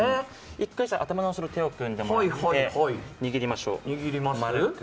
一回、頭の後ろ、手を組んでもらって握りましょう。